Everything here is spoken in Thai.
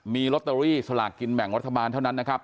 มีลอตเตอรี่สลากกินแบ่งรัฐบาลเท่านั้นนะครับ